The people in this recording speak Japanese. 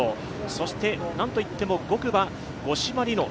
そして、なんと言っても５区は五島莉乃。